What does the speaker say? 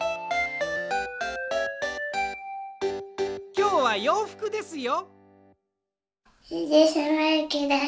きょうはようふくですよ。